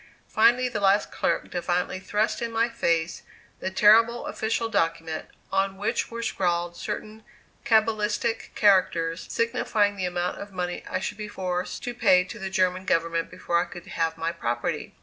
Finally, the last clerk defiantly thrust in my face the terrible official document, on which were scrawled certain cabalistic characters, signifying the amount of money I should be forced to pay to the German government before I could have my property.